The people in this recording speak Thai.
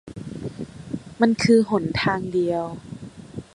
มันคือหนทางเดียว